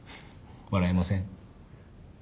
笑えません？